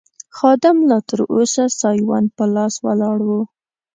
خادم لا تراوسه سایوان په لاس ولاړ و.